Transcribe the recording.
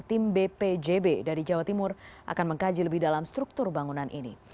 tim bpjb dari jawa timur akan mengkaji lebih dalam struktur bangunan ini